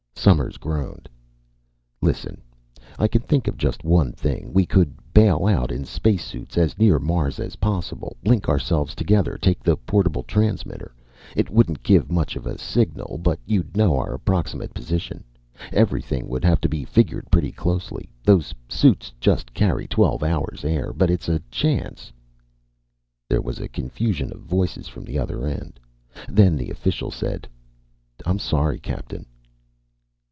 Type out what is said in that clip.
Somers groaned. "Listen, I can think of just one thing. We could bail out in spacesuits as near Mars as possible. Link ourselves together, take the portable transmitter. It wouldn't give much of a signal, but you'd know our approximate position. Everything would have to be figured pretty closely those suits just carry twelve hours' air but it's a chance." There was a confusion of voices from the other end. Then the official said, "I'm sorry, Captain."